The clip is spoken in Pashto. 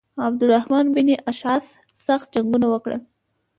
عبدالرحمن بن اشعث سخت جنګونه وکړل.